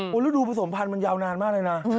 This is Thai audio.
แล้วดูผสมพันธ์มันยาวนานมากเลยนะ